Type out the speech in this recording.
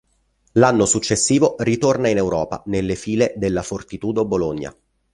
L'anno successivo ritorna in Europa nelle file della Fortitudo Bologna.